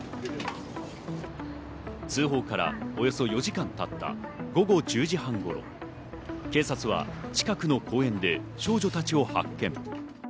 通報からおよそ４時間経った午後１０時半頃、警察は近くの公園で少女たちを発見。